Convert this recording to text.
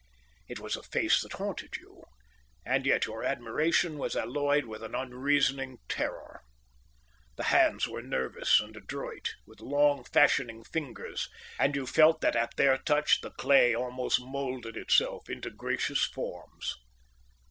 It was a face that haunted you, and yet your admiration was alloyed with an unreasoning terror. The hands were nervous and adroit, with long fashioning fingers; and you felt that at their touch the clay almost moulded itself into gracious forms.